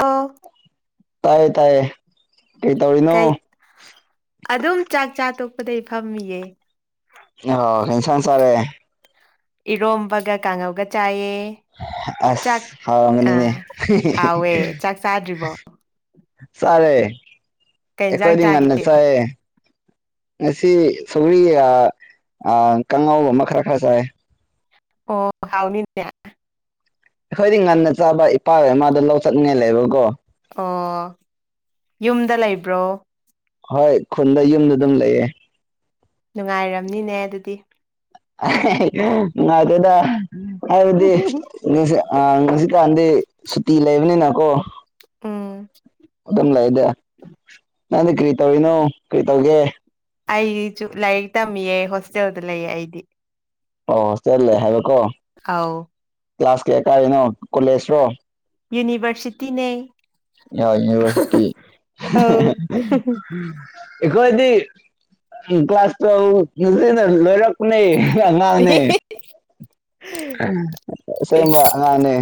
ꯑꯧ ꯇꯥꯏꯌꯦ ꯇꯥꯏꯌꯦ ꯀꯩ ꯇꯧꯔꯤꯅꯣ ꯀꯩ ꯑꯗꯨꯝ ꯆꯥꯛ ꯆꯥ ꯇꯣꯛꯄꯗꯩ ꯐꯝꯃꯤꯌꯦ ꯀꯩ ꯢꯟꯁꯥꯡ ꯆꯥꯔꯦ ꯏꯔꯣꯝꯕꯒ ꯀꯥꯡꯉꯧꯒ ꯆꯥꯏꯌꯦ ꯑꯥꯁ ꯆꯥꯛ ꯍꯥꯎꯔꯝꯒꯅꯤꯅꯦ ꯑꯥ ꯍꯥꯎꯋꯦ ꯆꯥꯛ ꯆꯥꯗ꯭ꯔꯤꯕꯣ ꯆꯥꯔꯦ ꯀꯩ ꯏꯟꯖꯥꯡ ꯑꯩꯈꯣꯏꯗꯤ ꯉꯟꯅ ꯆꯥꯒꯦ ꯆꯥꯢꯌꯦ ꯉꯁꯤ ꯁꯧꯒ꯭ꯔꯤ ꯑꯥ ꯀꯥꯡꯉꯧ ꯑꯃ ꯈꯔ ꯈꯔ ꯆꯥꯏ ꯑꯣ ꯍꯥꯎꯅꯤꯅꯦ ꯑꯩꯈꯣꯏꯗꯤ ꯉꯟꯅ ꯆꯥꯕ ꯏꯄꯥꯒ-ꯏꯃꯥꯒꯗꯨ ꯂꯧ ꯆꯠꯅꯤꯡꯉꯥꯏ ꯂꯩꯕꯀꯣ ꯑꯣꯑꯣ ꯌꯨꯝꯗ ꯂꯩꯕ꯭ꯔꯣ ꯍꯣꯏ ꯈꯨꯟꯗ ꯌꯨꯝꯗ ꯑꯗꯨꯝ ꯂꯩꯌꯦ ꯅꯨꯡꯉꯥꯏꯔꯝꯅꯤꯅꯦ ꯑꯗꯨꯗꯤ ꯅꯨꯡꯉꯥꯢꯇꯦꯗ ꯍꯥꯏꯕꯗꯤ ꯑꯥ ꯍꯧꯖꯤꯛꯀꯥꯟꯗꯤ ꯁꯨꯇꯤ ꯂꯩꯕꯅꯤꯅꯀꯣ ꯎꯪ ꯑꯗꯨꯝ ꯂꯩꯗ ꯅꯪꯗꯤ ꯀ꯭ꯔꯤ ꯇꯧꯔꯤꯅꯣ ꯀꯔꯤ ꯇꯧꯒꯦ ꯑꯩ ꯑꯩꯖꯨ ꯂꯥꯏꯔꯤꯛ ꯇꯝꯃꯤꯌꯦ ꯍꯣꯁꯇꯦꯜꯗ ꯂꯩꯌꯦ ꯑꯩꯗꯤ ꯑꯣ ꯍꯣꯁꯇꯦꯜ ꯂꯩ ꯍꯥꯢꯕ ꯑꯥꯎ ꯀ꯭ꯂꯥꯁ ꯀꯥꯌꯥ ꯀꯥꯔꯤꯅꯣ ꯀꯣꯂꯦꯖꯔꯣ ꯌꯨꯅꯤꯚꯔꯁꯤꯇꯤꯅꯦ ꯌꯥ ꯌꯨꯅꯤꯚꯔꯁꯤꯇꯤ ꯑꯧ ꯑꯩꯈꯣꯏꯗꯤ ꯀ꯭ꯂꯥꯁ ꯇꯨꯌꯦꯞꯅ ꯂꯣꯏꯔꯛ ꯄꯥꯅꯦ ꯑꯉꯥꯡꯅꯦ ꯑꯦ ꯑꯁꯦꯡꯕ ꯑꯉꯥꯡꯅꯦ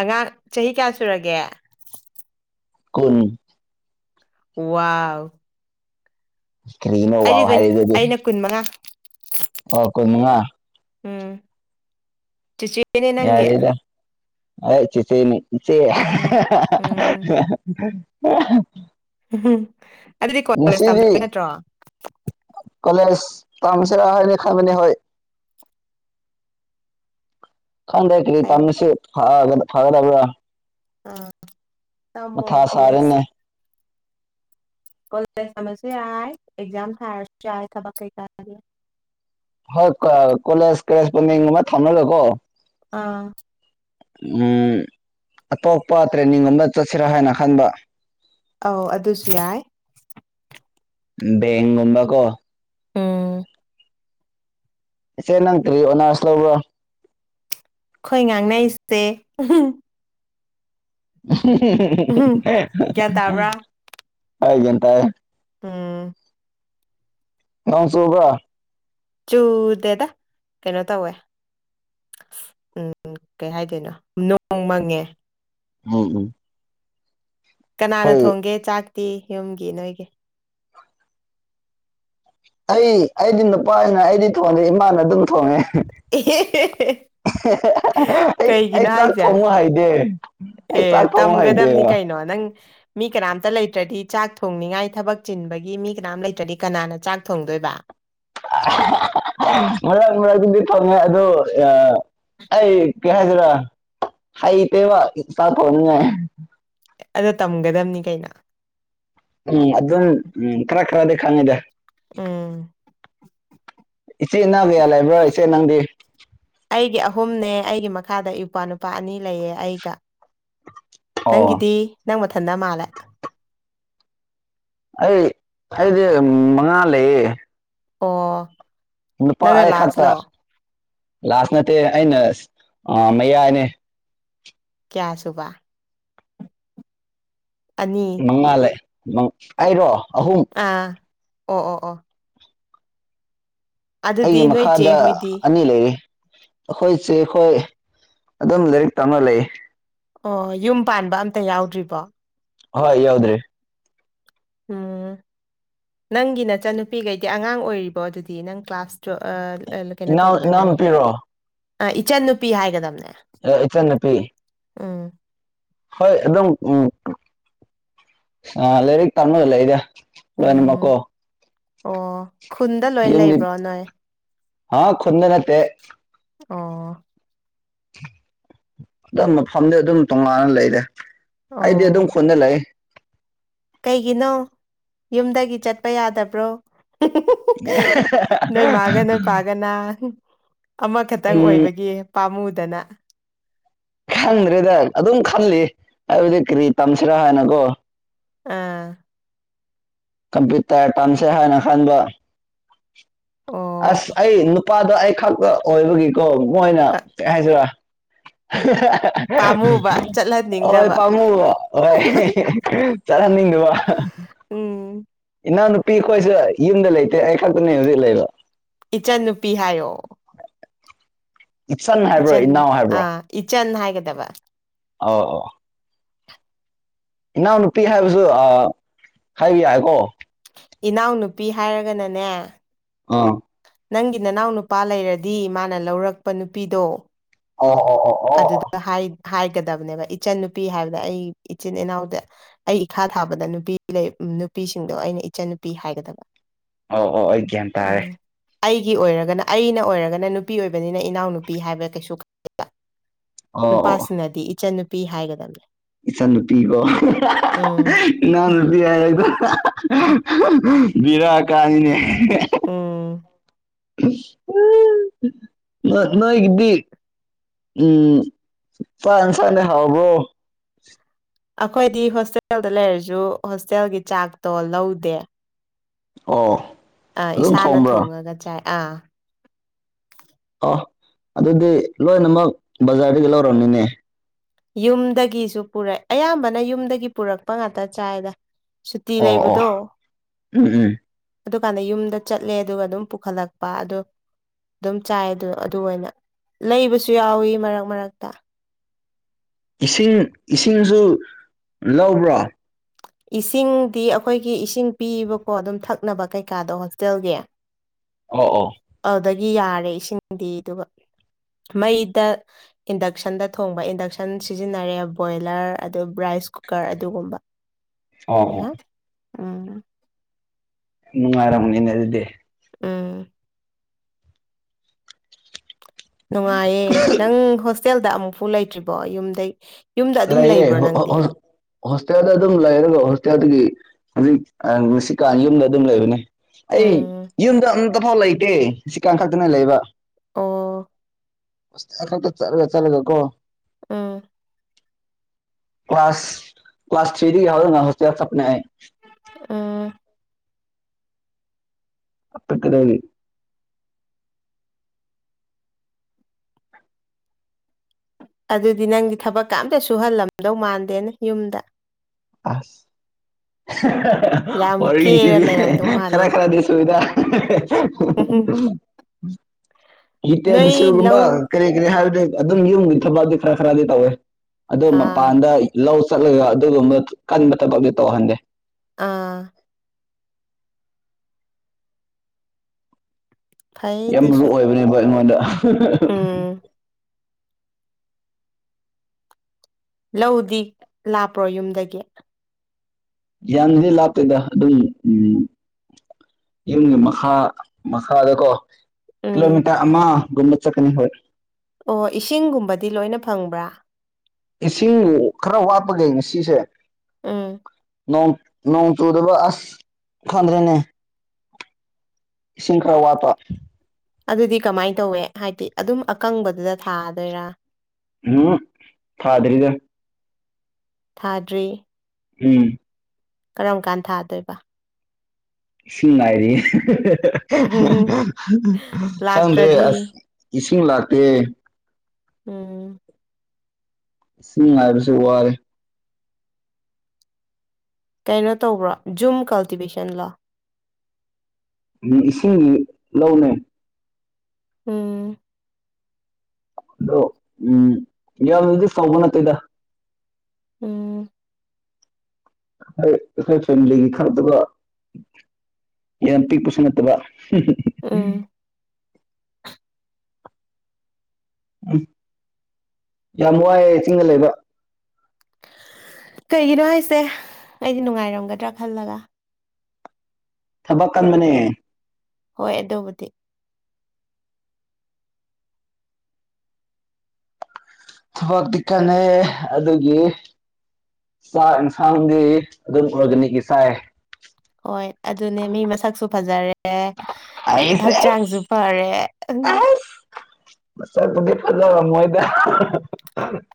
ꯑꯉꯥꯡ ꯆꯍꯤ ꯀꯌꯥ ꯁꯨꯔꯒꯦ ꯀꯨꯟ ꯋꯥꯎ ꯀꯔꯤꯅꯣ ꯑꯩꯗꯤ ꯋꯥꯎ ꯇꯣꯢꯟ ꯍꯥꯏꯔꯤꯗꯨꯗꯤ ꯑꯩꯅ ꯀꯨꯟ ꯃꯉꯥ ꯑꯣ ꯀꯨꯟꯃꯉꯥ ꯎꯪ ꯆꯦꯆꯦꯅꯦ ꯅꯪꯒꯤ ꯍꯣꯢ ꯆꯦꯆꯦꯅꯤ ꯏꯆꯦ ꯎꯝ ꯎꯝ ꯑꯗꯨꯗꯤ ꯀꯣꯠ ꯀꯣꯂꯦꯖ ꯉꯁꯤꯗꯤ ꯇꯝꯗꯕꯩ ꯅꯠꯇ꯭ꯔꯣ ꯇꯥꯝꯁꯤꯔ ꯍꯥꯏꯅ ꯈꯟꯕꯅꯤ ꯍꯣꯏ ꯈꯪꯗ꯭ꯔꯦ ꯀꯔꯤ ꯐꯩ ꯇꯝꯅꯁꯤꯒ ꯐꯒꯗꯕ꯭ꯔꯥ ꯑꯥ ꯇꯝꯃꯣ ꯃꯊꯥ ꯀꯣꯂꯦꯖ ꯁꯥꯔꯦꯅꯦ ꯀꯣꯂꯦꯖ ꯇꯝꯃꯕꯁꯨ ꯌꯥꯏ ꯑꯦꯛꯖꯥꯝ ꯊꯥꯔꯁꯨ ꯌꯥꯏ ꯊꯕꯛ ꯀꯩꯀꯥꯒ ꯍꯣꯏ ꯀꯣꯂꯦꯖ ꯀꯔꯦꯁꯄꯣꯟꯗꯤꯡ ꯒꯨꯝꯕ ꯊꯝꯔꯒꯀꯣ ꯑꯥ ꯎ ꯑꯇꯣꯞꯄ ꯇ꯭ꯔꯦꯟꯅꯤꯡ ꯑꯃ ꯆꯠꯁꯤꯔꯥ ꯍꯥꯏꯅ ꯈꯟꯕ ꯑꯧ ꯑꯗꯨꯁꯨ ꯌꯥꯏ ꯕꯦꯡꯒꯨꯝꯕ ꯀꯣ ꯎꯝ ꯏꯆꯦ ꯅꯪ ꯀꯔꯤ ꯑꯣꯅꯔꯁ ꯂꯧꯕ꯭ꯔꯣ ꯑꯩꯈꯣꯏ ꯉꯥꯡꯅꯩꯁꯦ ꯑꯍ ꯒ꯭ꯌꯥꯟ ꯍꯣꯏ ꯒ꯭ꯌꯥꯟ ꯇꯥꯏ ꯑꯥ ꯅꯣꯡ ꯆꯨꯕ꯭ꯔ ꯆꯨꯗꯦꯗ ꯀꯩꯅꯣ ꯇꯧꯋꯦ ꯎꯝ ꯀꯩ ꯍꯥꯏꯗꯣꯏꯅꯣ ꯅꯣꯡ ꯃꯪꯉꯦ ꯎꯝ ꯎꯝ ꯀꯅꯥꯅ ꯍꯣꯏ ꯊꯣꯡꯒꯦ ꯆꯥꯛꯇꯤ ꯌꯨꯝꯒꯤ ꯅꯣꯏꯒꯤ ꯑꯩ ꯑꯩꯗꯤ ꯅꯨꯄꯥꯅ ꯑꯩꯗꯤ ꯊꯣꯡꯗꯦ ꯏꯃꯥꯅ ꯑꯗꯨꯝ ꯊꯣꯡꯉꯦ ꯑꯩ ꯑꯩ ꯀꯩꯒꯤꯅꯣ ꯆꯥꯛ ꯍꯥꯏꯁꯦ ꯊꯣꯡꯉꯨ ꯍꯥꯏꯗꯦ ꯑꯦ ꯇꯝꯒꯗꯕꯅꯤ ꯀꯩꯅꯣ ꯅꯪ ꯃꯤ ꯀꯅꯥꯝꯇ ꯂꯩꯇ꯭ꯔꯗꯤ ꯆꯥꯛ ꯊꯣꯡꯅꯤꯉꯥꯏ ꯊꯕꯛ ꯆꯤꯟꯕꯒꯤ ꯃꯤ ꯀꯅꯥꯝ ꯂꯩꯇ꯭ꯔꯗꯤ ꯀꯅꯥꯅ ꯆꯥꯛ ꯊꯣꯡꯗꯣꯏꯕ ꯃꯔꯛ ꯃꯔꯛꯇꯗꯤ ꯊꯝꯃꯣ ꯑꯗꯨ ꯑ ꯑꯩ ꯀꯔꯤ ꯍꯥꯏꯖꯤꯔ ꯍꯩꯇꯦꯕ ꯆꯥꯛ ꯊꯣꯡꯅꯤꯉꯥꯏ ꯑꯗꯣ ꯇꯝꯒꯗꯕꯅꯤ ꯀꯩꯅꯣ ꯎꯝ ꯑꯗꯨꯗ ꯎ ꯈꯔ ꯈꯔꯗꯤ ꯈꯪꯉꯗ ꯎꯝ ꯏꯆꯦ ꯅꯪ ꯀꯌꯥ ꯂꯩꯕ꯭ꯔꯣ ꯏꯆꯦ ꯅꯪꯗꯤ ꯑꯩꯒꯤ ꯑꯍꯨꯝꯅꯦ ꯑꯩꯒꯤ ꯃꯈꯥꯗ ꯏꯄꯥ ꯅꯨꯄꯥ ꯑꯅꯤ ꯂꯩꯌꯦ ꯑꯩꯒ ꯑꯣ ꯅꯪꯒꯤꯗꯤ ꯅꯪ ꯃꯊꯟꯗ ꯃꯥꯜꯂꯦ ꯑꯩ ꯑꯩꯗꯤ ꯎꯝ ꯃꯉꯥ ꯂꯩꯌꯦ ꯑꯣ ꯅꯨꯄꯥ ꯅꯪꯅ ꯑꯩ ꯈꯛꯇ ꯂꯥꯁꯂꯣ ꯂꯥꯁ ꯅꯠꯇꯦ ꯑꯩꯅ ꯃꯌꯥꯏꯅꯦ ꯀꯌꯥ ꯁꯨꯕ ꯑꯅꯤ ꯃꯉꯥ ꯂꯩ ꯑꯩꯔꯣ ꯑꯍꯨꯝ ꯑꯥ ꯑꯣ ꯑꯣ ꯑꯣ ꯑꯩꯒꯤ ꯑꯗꯨꯗꯤ ꯅꯣꯏ ꯃꯈꯥꯗ ꯆꯦ ꯍꯣꯏꯗꯤ ꯑꯅꯤ ꯂꯩꯌꯦ ꯑꯩꯈꯣꯏ ꯆꯦ ꯈꯣꯏ ꯑꯗꯨꯝ ꯂꯥꯏꯔꯤꯛ ꯇꯝꯔ ꯂꯩꯌꯦ ꯑꯣ ꯌꯨꯝ ꯄꯥꯟꯕ ꯑꯝꯇ ꯌꯥꯎꯗ꯭ꯔꯤꯕꯣ ꯍꯣꯏ ꯌꯥꯎꯗ꯭ꯔꯤ ꯎꯝ ꯅꯪꯒꯤ ꯅꯆꯟꯅꯨꯄꯤꯈꯩꯗꯤ ꯑꯉꯥꯡ ꯑꯣꯏꯔꯤꯕꯣ ꯑꯗꯨꯗꯤ ꯅꯪ ꯀ꯭ꯂꯥꯁ ꯇꯣ ꯏꯅꯥꯎ ꯏꯅꯥꯎ ꯅꯨꯄꯤꯔꯣ ꯑꯥ ꯏꯆꯟ ꯅꯨꯄꯤ ꯍꯥꯏꯒꯗꯕꯅꯦ ꯏꯆꯟꯅꯨꯄꯤ ꯎꯝ ꯍꯣꯏ ꯑꯗꯨꯝ ꯎꯝ ꯂꯥꯏꯔꯤꯛ ꯇꯝꯂꯒ ꯂꯩꯗ ꯎꯝ [unintelligible] ꯑꯣ ꯈꯨꯟꯗ ꯂꯣꯏ ꯌꯨꯝꯗꯤ ꯂꯩꯕ꯭ꯔꯣ ꯅꯣꯏ ꯍꯥ ꯈꯨꯟꯗ ꯅꯠꯇꯦ ꯑꯣ ꯑꯗꯨꯝ ꯃꯐꯝꯗꯤ ꯑꯗꯨꯝ ꯇꯣꯉꯥꯟꯅ ꯂꯩꯔꯦ ꯑꯩꯗꯤ ꯑꯗꯨꯝ ꯑꯣ ꯈꯣꯟꯗ ꯂꯩ ꯀꯩꯒꯤꯅꯣ ꯌꯨꯝꯗꯒꯤ ꯆꯠꯄ ꯌꯥꯗꯕ꯭ꯔꯣ ꯏꯍꯤꯍꯤꯍꯤ ꯅꯣꯏꯣꯏ ꯃꯥꯒ ꯅꯣꯏ ꯄꯥꯒꯅꯥ ꯑꯃꯈꯛꯇꯪ ꯎꯝ ꯑꯣꯏꯕꯒꯤ ꯄꯥꯝꯃꯨꯗꯅ ꯈꯟꯗ꯭ꯔꯦꯗ ꯑꯗꯨꯝ ꯈꯜꯂꯤ ꯑꯩ ꯍꯧꯖꯤꯛ ꯀꯔꯤ ꯇꯝꯁꯤꯔꯥ ꯍꯥꯏꯅꯀꯣ ꯑꯥ ꯀꯝꯄ꯭ꯌꯨꯇꯔ ꯇꯝꯁꯦ ꯍꯥꯏꯅ ꯈꯥꯟ ꯑꯣ ꯑꯁ ꯑꯩ ꯅꯨꯄꯥꯗꯣ ꯑꯩ ꯈꯛꯇ ꯑꯣꯏꯕꯒꯤꯀꯣ ꯃꯣꯏꯅ ꯑ, ꯀꯩ ꯍꯥꯏꯁꯤꯔ ꯄꯥꯝꯃꯨꯕ ꯍꯤꯍꯤꯍꯥꯍꯥ ꯍꯣꯏ ꯆꯠꯍꯟꯅꯤꯡꯗꯕ ꯄꯥꯝꯃꯨꯕ ꯍꯣꯏ ꯆꯠꯍꯟꯅꯤꯡꯗꯕ ꯎꯝ ꯏꯟꯅꯥꯎ ꯄꯤ ꯑꯩꯈꯣꯏꯁꯦ ꯌꯨꯝꯗ ꯂꯩꯇꯦ ꯑꯩ ꯈꯛꯇꯅꯦ ꯍꯧꯖꯤꯛ ꯂꯩꯕ ꯏꯆꯟꯅꯨꯄꯤ ꯍꯥꯏꯌꯣ ꯍꯥꯏꯕ꯭ꯔꯣ ꯏꯆꯟ ꯏꯅꯥꯎ ꯑꯥ ꯏꯆꯟ ꯍꯥꯏꯒꯗꯕ ꯑꯣ ꯑꯣ ꯏꯅꯥꯎꯅꯨꯄꯤ ꯍꯥꯏꯕꯁꯨ ꯍꯥꯏꯕ ꯌꯥꯏꯀꯣ ꯏꯅꯥꯎꯅꯨꯄꯤ ꯍꯥꯏꯔꯒꯅꯅꯦ ꯑꯥ ꯅꯪꯒꯤ ꯅꯅꯥꯎ ꯅꯨꯄꯥ ꯂꯩꯔꯗꯤ ꯃꯥꯅ ꯂꯧꯔꯛꯄ ꯅꯨꯄꯤꯗꯣ ꯑꯣ ꯑꯣꯑꯣ ꯑꯣ ꯑꯗꯨꯗ ꯍꯥꯏ ꯍꯥꯏꯒꯗꯕꯅꯦꯕ ꯏꯆꯟ ꯅꯨꯄꯤ ꯍꯥꯏꯕꯗ ꯑꯩ ꯏꯆꯤꯟ ꯏꯅꯥꯎꯗ ꯑꯩ ꯏꯈꯥ ꯊꯥꯕꯗ ꯅꯨꯄꯤ ꯂꯩ ꯅꯨꯄꯤꯁꯤꯡꯗꯣ ꯑꯩꯅ ꯏꯆꯟ ꯅꯨꯄꯤ ꯍꯥꯏꯒꯗꯕ ꯑꯣ ꯑꯣ ꯑꯩ ꯒ꯭ꯌꯥꯟ ꯇꯥꯔꯦ ꯎꯝ ꯑꯩꯒꯤ ꯑꯣꯏꯔꯒꯅ ꯑꯩꯅ ꯑꯣꯏꯔꯒꯅ ꯅꯨꯄꯤ ꯑꯣꯏꯕꯅꯤꯅ ꯏꯅꯥꯎꯅꯨꯄꯤ ꯍꯥꯏꯕ ꯀꯩꯁꯨ ꯀꯥꯏ ꯑꯣ ꯑꯣ ꯅꯨꯄꯥꯁꯤꯡꯅꯗꯤ ꯏꯆꯟ ꯅꯨꯄꯤ ꯍꯥꯏꯒꯗꯕꯅꯦ ꯏꯆꯟ ꯅꯨꯄꯤꯀꯣ ꯍꯥꯍꯥꯍꯥ ꯎꯝ ꯏꯅꯥꯎ ꯅꯨꯄꯤ ꯍꯥꯏ ꯍꯦꯛꯇ ꯍꯥꯍꯥꯍꯥ ꯍꯤꯍꯤꯍꯥ ꯕꯤꯔ ꯀꯅꯤꯅꯦ ꯎꯝ ꯍꯥꯍꯥꯍꯥ ꯎꯨꯏ ꯅꯣꯏꯒꯤꯗꯤ ꯎꯝ ꯄꯥꯟꯁꯂꯦ ꯍꯥꯎꯕ꯭ꯔꯣ ꯑꯩꯈꯣꯏꯗꯤ ꯍꯣꯁꯇꯦꯜꯗ ꯂꯩꯔꯁꯨ ꯍꯣꯁꯇꯦꯜꯒꯤ ꯆꯥꯛꯇꯣ ꯂꯧꯗꯦ ꯑꯣ ꯑꯥ ꯑꯗꯨꯝ ꯏꯁꯥꯅ ꯊꯣꯡꯕ꯭ꯔꯣ ꯊꯣꯡꯉꯒ ꯆꯥꯏ ꯑꯥ ꯑꯣ ꯑꯗꯨꯗꯤ ꯂꯣꯏꯅꯃꯛ ꯕꯖꯥꯔꯗꯒꯤ ꯂꯧꯔꯝꯅꯤꯅꯦ ꯌꯨꯝꯗꯒꯤꯁꯨ ꯄꯨꯔꯛꯑꯦ ꯑꯌꯥꯝꯕꯅ ꯌꯨꯝꯗꯒꯤ ꯄꯨꯔꯛꯄ ꯉꯥꯛꯇ ꯆꯥꯏꯗ ꯁꯨꯇꯤ ꯑꯣ ꯑꯣ ꯂꯩꯕꯗꯣ ꯎꯝ ꯎꯝ ꯑꯗꯨꯀꯥꯟꯗ ꯌꯨꯝꯗ ꯆꯠꯂꯦ ꯑꯗꯨꯒ ꯑꯗꯨꯝ ꯄꯨꯈꯠꯂꯛꯄ ꯑꯗꯣ ꯑꯗꯨꯝ ꯆꯥꯏ ꯑꯗꯨ ꯑꯗꯨ ꯑꯣꯏꯅ ꯂꯩꯕꯁꯨ ꯌꯥꯎꯋꯤ ꯃꯔꯛ ꯃꯔꯛꯇ ꯏꯁꯤꯡ ꯏꯁꯤꯡꯁꯨ ꯂꯧꯕ꯭ꯔꯣ ꯏꯁꯤꯡꯗꯤ ꯑꯩꯈꯣꯏꯒꯤ ꯏꯁꯤꯡ ꯄꯤꯕꯀꯣ ꯑꯗꯨꯝ ꯊꯛꯅꯕ ꯀꯩꯀꯥꯗꯣ ꯍꯣꯁꯇꯦꯜꯒꯤ ꯑꯣ ꯑꯣ ꯑꯗꯨꯗꯒꯤ ꯌꯥꯔꯦ ꯏꯁꯤꯡꯗꯤ ꯑꯗꯨꯒ ꯃꯩꯗ ꯏꯟꯗꯛꯁꯟꯗ ꯊꯣꯡꯕ ꯏꯟꯗꯛꯁꯟ ꯁꯤꯖꯤꯟꯅꯔꯦ ꯕꯣꯏꯂꯔ ꯑꯗꯨ ꯔꯥꯏ ꯔꯥꯏꯁ ꯀꯨꯀꯔ ꯑꯗꯨꯒꯨꯝꯕ ꯑꯣ ꯑꯣ ꯃꯌꯥꯝ ꯎꯝ ꯅꯨꯡꯉꯥꯢꯔꯝꯒꯅꯤꯅ ꯑꯗꯨꯗꯤ ꯎꯝ ꯅꯨꯡꯉꯥꯏꯌꯦ ꯅꯪ ꯍꯣꯁꯇꯦꯜꯗ ꯑꯃꯨꯛꯐꯥꯎ ꯂꯩꯇ꯭ꯔꯤꯕꯣ ꯌꯨꯝꯗꯩ ꯌꯨꯝꯗ ꯑꯗꯨꯝ ꯂꯩꯌꯦ ꯂꯩꯕ꯭ꯔꯣ ꯍꯣ ꯍꯣ ꯅꯪꯗꯤ ꯍꯣ ꯍꯣꯁꯇꯦꯜꯗ ꯑꯗꯨꯝ ꯂꯩꯔꯒ ꯍꯣꯁꯇꯦꯜꯗꯒꯤ ꯍꯧꯖꯤꯛ ꯉꯁꯤꯀꯥꯟ ꯌꯨꯝꯗ ꯑꯗꯨꯝ ꯂꯩꯕꯅꯦ ꯑꯩ ꯎꯝ ꯌꯨꯝꯗ ꯑꯝ ꯐꯥꯎ ꯂꯩꯇꯦ ꯁꯤꯀꯥꯟ ꯈꯛꯇꯅꯦ ꯂꯩꯕ ꯑꯣ ꯍꯣꯁꯇꯦꯜ ꯈꯛꯇ ꯆꯠꯂ ꯆꯠꯂꯒ ꯀꯣ ꯑꯥ ꯀ꯭ꯂꯥꯁ ꯀ꯭ꯂꯥꯁ ꯊ꯭ꯔꯤꯗꯤ ꯍꯧꯔꯅ ꯍꯣꯁꯇꯦꯜ ꯆꯠꯄꯅꯦ ꯑꯩ ꯎꯝ [unintelligible] ꯑꯗꯨꯗꯤ ꯅꯪꯗꯤ ꯊꯕꯛꯀ ꯑꯝꯇ ꯁꯨꯍꯜꯂꯝꯗꯧ ꯃꯥꯟꯗꯦꯅ ꯌꯨꯝꯗ ꯑꯁ [unintelligible] [unintelligible] ꯌꯥꯝ ꯀꯦꯔ ꯋꯥꯔꯤꯁꯤꯗꯤ ꯂꯩꯔꯝꯗꯧ ꯈꯔ ꯃꯥꯜꯂꯦꯅꯦ ꯈꯔꯗꯤ ꯁꯨꯢꯗ [unintelligible] ꯅꯣꯏ ꯎꯇꯦꯟꯁꯤꯜꯒꯨꯝꯕ ꯂꯧ ꯀꯔꯤ ꯀꯔꯤ ꯍꯥꯏꯕꯩ ꯑꯗꯨꯝ ꯌꯨꯝꯒꯤ ꯊꯕꯛꯇꯤ ꯈꯔ ꯈꯔꯗꯤ ꯇꯧꯋꯦ ꯑꯗꯣ ꯑꯥ ꯃꯄꯥꯟꯗ ꯂꯧ ꯆꯠꯂꯒ ꯑꯗꯨꯒꯨꯝꯕ ꯀꯟꯕ ꯊꯕꯛꯇꯤ ꯇꯧꯍꯟꯗꯦ ꯑꯥ ꯐꯩ ꯌꯥꯝ ꯃꯔꯨ ꯑꯗꯨꯁꯨ ꯑꯣꯏꯕꯅꯦꯕ ꯑꯩꯉꯣꯟꯗ [unintelligible] ꯎꯝ ꯂꯧꯗꯤ ꯂꯥꯞꯄ꯭ꯔꯣ ꯌꯨꯝꯗꯒꯤ ꯌꯥꯝꯅꯗꯤ ꯂꯥꯞꯇꯦꯗ ꯑꯗꯨꯝ ꯎꯝ ꯌꯨꯝꯒꯤ ꯃꯈꯥ ꯃꯈꯥꯗꯀꯣ ꯎꯝ ꯀꯤꯂꯣꯃꯤꯇꯔ ꯑꯃꯒꯨꯝꯕ ꯆꯠꯀꯅꯤ ꯍꯣꯏ ꯑꯣ ꯏꯁꯤꯡꯒꯨꯝꯕꯗꯤ ꯂꯣꯏꯅ ꯐꯪꯕ꯭ꯔꯥ ꯏꯁꯤꯡ ꯈꯔ ꯋꯥꯠꯄꯅꯦ ꯉꯁꯤꯁꯦ ꯎꯝ ꯅꯣꯡ ꯅꯣꯡ ꯆꯨꯗꯕ ꯑꯁ ꯈꯟꯗ꯭ꯔꯦꯅꯦ ꯏꯁꯤꯡ ꯈꯔ ꯋꯥꯠꯄ ꯑꯗꯨꯗꯤ ꯀꯃꯥꯏꯟ ꯇꯧꯋꯦ ꯍꯥꯏꯗꯤ ꯑꯗꯨꯝ ꯑꯀꯪꯕꯗꯨꯗ ꯊꯥꯗꯣꯏꯔꯥ ꯍꯨꯝ ꯊꯥꯗ꯭ꯔꯤꯗ ꯊꯥꯗ꯭ꯔꯤ ꯎꯝ ꯀꯔꯝ ꯀꯥꯟ ꯊꯥꯗꯣꯏꯕ ꯏꯁꯤꯡ ꯉꯥꯏꯔꯤ [unintelligible] ꯈꯪꯗ꯭ꯔꯤ ꯂꯥꯛꯇ꯭ꯔꯗꯤ ꯑꯁ ꯏꯁꯤꯡ ꯂꯥꯛꯇꯦ ꯎꯝ ꯏꯁꯤꯡ ꯉꯥꯏꯕꯁꯨ ꯋꯥꯔꯦ ꯀꯩꯅꯣ ꯇꯧꯕ꯭ꯔꯣ ꯖꯨꯝ ꯀꯜꯇꯤꯚꯦꯁꯟꯂꯣ ꯎꯝ ꯏꯁꯤꯡ ꯂꯧꯅꯦ ꯎꯝ ꯑꯗꯣ ꯎꯝ ꯌꯥꯝꯅꯗꯤ ꯐꯪꯕ ꯅꯠꯇꯦꯗ ꯎꯝ ꯑꯩ ꯑꯩꯈꯣꯏ ꯐꯦꯃꯤꯂꯤꯒꯤ ꯈꯔꯗꯨꯒ ꯌꯥꯝ ꯄꯤꯛꯄꯁꯨ ꯅꯠꯇꯕ [unintelligible] ꯎꯝ ꯎꯝ ꯌꯥꯝ ꯋꯥꯏꯑꯦ ꯆꯤꯡꯗ ꯂꯩꯕ ꯀꯩꯒꯤꯅꯣ ꯍꯥꯏꯁꯦ ꯑꯩꯗꯤ ꯅꯨꯡꯉꯥꯏꯔꯝꯒꯗ꯭ꯔꯥ ꯈꯜꯂꯒ ꯊꯕꯛ ꯀꯟꯕꯅꯦ ꯍꯣꯏ ꯑꯗꯨꯕꯨꯗꯤ ꯊꯕꯛꯇꯤ ꯀꯟꯅꯩꯌꯦ ꯑꯗꯨꯒꯤ ꯆꯥꯛ ꯌꯦꯟꯁꯥꯡꯒꯤ ꯑꯗꯨꯝ ꯑꯣꯔꯒꯅꯤꯛꯀꯤ ꯆꯥꯏꯌꯦ ꯍꯣꯏ ꯑꯗꯨꯅꯦ ꯃꯤ ꯃꯁꯛꯁꯨ ꯐꯖꯔꯦ ꯑꯦ ꯑꯩꯁꯦ ꯍꯛꯆꯥꯡꯁꯨ ꯐꯔꯦ ꯎ ꯑꯁ ꯑꯁ ꯃꯁꯛꯄꯨꯗꯤ ꯐꯖꯔꯝꯃꯣꯏꯗ [unintelligible]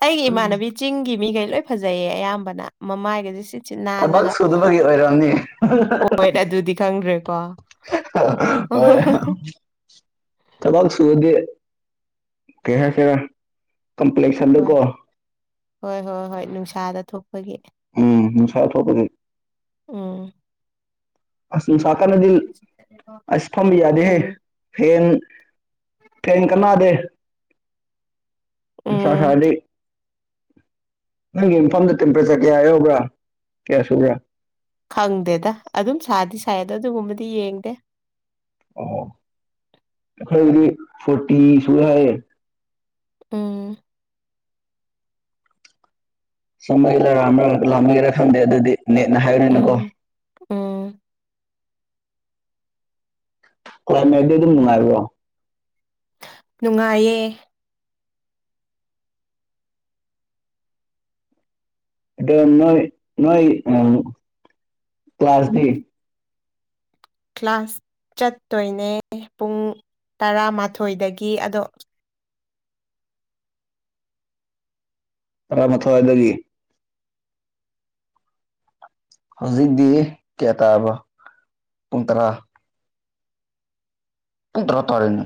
ꯑꯩꯒꯤ ꯏꯃꯥꯟꯅꯕꯤ ꯆꯤꯡꯒꯤ ꯃꯤꯈꯩ ꯂꯣꯏ ꯐꯖꯩꯌꯦ ꯑꯌꯥꯝꯕꯅ ꯃꯃꯥꯏꯒꯩꯁꯦ ꯁꯤ ꯁꯤ ꯊꯕꯛ ꯅꯥꯜꯂꯒ ꯁꯨꯗꯕꯒꯤ ꯑꯣꯏꯔꯝꯅꯤ ꯍꯣꯏ ꯑꯗꯨꯗꯤ ꯈꯪꯗ꯭ꯔꯦꯀꯣ ꯍꯣꯏ ꯊꯕꯛꯁꯨꯨꯔꯗꯤ ꯀꯩ ꯍꯥꯁꯤꯔ ꯍꯣꯏ ꯍꯣꯏ ꯍꯣꯏ ꯍꯣꯏ ꯅꯨꯡꯁꯥꯗ ꯊꯣꯛ ꯑꯩꯈꯣꯏꯒꯤ ꯎꯝ ꯅꯨꯡꯁꯥ ꯊꯣꯛꯄꯒꯤ ꯎꯝ ꯑꯁ ꯅꯨꯡꯁꯥ ꯀꯥꯟꯗꯗꯤ ꯑꯁ ꯐꯝꯕ ꯌꯥꯗꯦꯍꯦ ꯎꯝ ꯐꯦꯟ ꯐꯦꯟ ꯀꯅꯥꯗꯦ ꯅꯨꯡꯁꯥ ꯎꯝ ꯁꯥꯔꯗꯤ ꯅꯪꯒꯤ ꯃꯐꯝꯗ ꯇꯦꯝꯄ꯭ꯔꯦꯆꯔ ꯀꯌꯥ ꯌꯥꯎꯕ꯭ꯔꯥ ꯀꯌꯥ ꯁꯨꯕ꯭ꯔꯥ ꯈꯪꯗꯦꯗ ꯑꯗꯨꯝ ꯁꯥꯗꯤ ꯁꯥꯏꯗ ꯑꯗꯣ ꯑꯗꯨꯒꯨꯝꯕꯗꯤ ꯌꯦꯡꯗꯦ ꯑꯣ ꯑꯩꯈꯣꯏꯗꯤ ꯐꯣꯔꯇꯤ ꯁꯨ ꯍꯥꯏꯌꯦ ꯎꯝ ꯁꯝꯕꯒꯦꯔꯔꯥꯥ ꯂꯥꯝꯕꯩ ꯂꯥꯝꯒꯦꯔꯥ ꯈꯪꯗꯦ ꯑꯗꯨꯗꯤ ꯅꯦꯠꯅ ꯍꯥꯏꯕꯅꯤꯅꯀꯣ ꯎꯝ ꯎꯝ [unintelligible] ꯗꯨ ꯅꯨꯉꯥꯏꯕꯔꯣ ꯅꯨꯡꯉꯥꯏꯌꯦ ꯑꯗꯣ ꯅꯣꯏ ꯅꯣꯏ ꯑ ꯀ꯭ꯂꯥꯁꯇꯤ ꯀ꯭ꯂꯥꯁ ꯆꯠꯇꯣꯏꯅꯦ ꯄꯨꯡ ꯇꯔꯥꯃꯥꯊꯣꯏꯗꯒꯤ ꯑꯗꯣ ꯇꯔꯥꯝꯊꯋꯥꯏ ꯑꯗꯨꯗꯒꯤ ꯍꯧꯖꯤꯗꯤ ꯀꯌꯥ ꯇꯥꯥꯕ꯭ꯔꯣ ꯄꯨꯡ ꯇꯔꯥ ꯀꯨꯡꯇ꯭ꯔ ꯇꯔꯦꯅꯦ